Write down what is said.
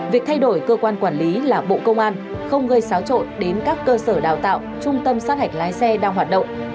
việc thay đổi cơ quan quản lý là bộ công an không gây xáo trộn đến các cơ sở đào tạo trung tâm sát hạch lái xe đang hoạt động